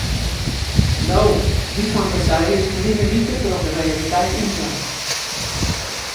No, dy fantasy is ferline wike troch de realiteit ynhelle.